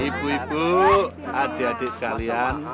ibu ibu adik adik sekalian